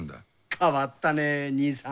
変わったね兄さん。